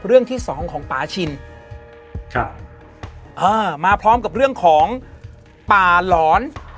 เรื่องที่สองของป่าชินครับเออมาพร้อมกับเรื่องของป่าหลอน